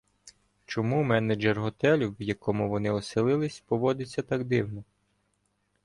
Чому менеджер готелю, в якому вони оселилися, поводиться так дивно?